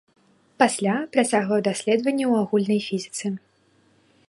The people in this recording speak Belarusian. Пасля, працягваў даследаванні ў агульнай фізіцы.